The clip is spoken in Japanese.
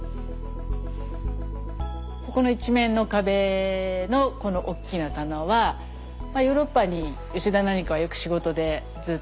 ここの一面の壁のこのおっきな棚はヨーロッパに吉田なんかはよく仕事でずっと買い付けに行くので。